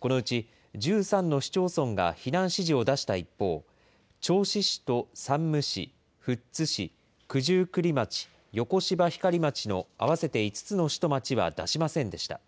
このうち１３の市町村が避難指示を出した一方、銚子市と山武市、富津市、九十九里町、横芝光町の合わせて５つの市と町は出しませんでした。